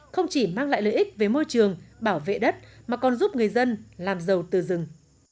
không chỉ mang lại lợi ích về môi trường bảo vệ đất mà còn giúp người dân làm giàu từ rừng